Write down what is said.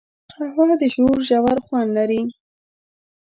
قهوه د شعور ژور خوند لري